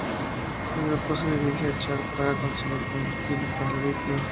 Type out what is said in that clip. El grupo se dirige a Char para conseguir combustible para el vehículo.